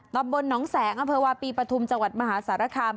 ตะมนต์น้องแสงอเภอวาปีปฐุมจังหวัดมหาศาลคาม